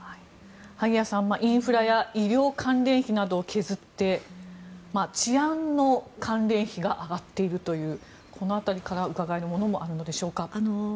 萩谷さん、インフラや医療関連費などを削って治安の関連費が上がっているというこの辺りからうかがえるものもあるのでしょうか。